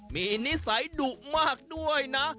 มีนิสัยดุมากด้วยนะ